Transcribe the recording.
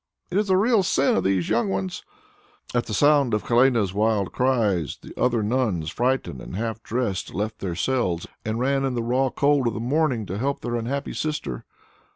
It is a real sin of these young ones." At the sound of Helene's wild cries the other nuns, frightened and half dressed, left their cells and ran in the raw cold of the morning to help their unhappy sister.